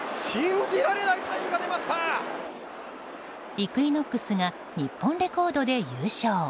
イクイノックスが日本レコードで優勝。